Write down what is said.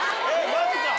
マジか。